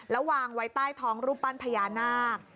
แล้ววางไว้ใต้ท้องรูปปั้นพญานาค